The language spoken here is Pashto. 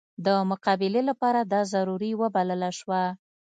د مقابلې لپاره دا ضروري وبلله شوه.